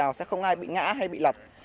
rồi sẽ không ai bị ngã hay bị lập